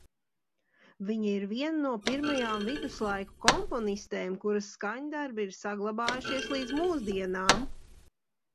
Viņa ir viena no pirmajām viduslaiku komponistēm, kuras skaņdarbi ir saglabājušies līdz mūsdienām.